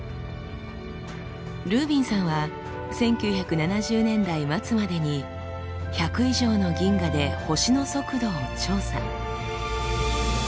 ルービンさんは１９７０年代末までに１００以上の銀河で星の速度を調査。